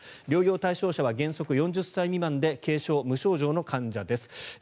療養対象者は原則４０歳未満で軽症・無症状の患者です。